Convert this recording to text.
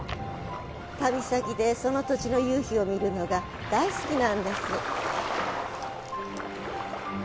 旅先で、その土地の夕日を見るのが大好きなんです。